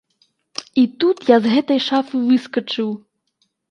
І тут я з гэтай шафы выскачыў!